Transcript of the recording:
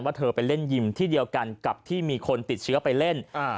เธอไปเล่นยิมที่เดียวกันกับที่มีคนติดเชื้อไปเล่น